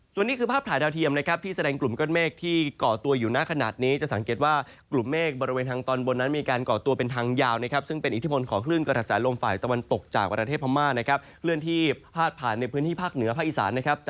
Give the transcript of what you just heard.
ส่วนนี้คือภาพถ่ายเทียมที่แสดงกลุ่มเกาะเมฆที่ก่อตัวอยู่หน้าขนาดนี้